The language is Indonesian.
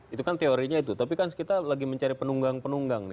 itu kan teorinya itu tapi kan kita lagi mencari penunggang penunggang nih